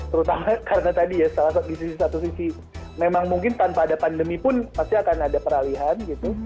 terutama karena tadi ya di sisi satu sisi memang mungkin tanpa ada pandemi pun pasti akan ada peralihan gitu